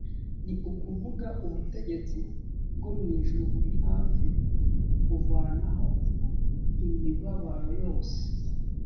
ni ukuvuga ubutegetsi bwo mu ijuru buri hafi kuvanaho imibabaro yose.